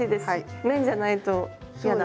綿じゃないと嫌だ。